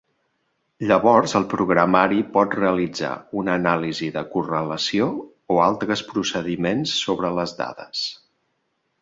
Llavors el programari pot realitzar una anàlisi de correlació o altres procediments sobre les dades.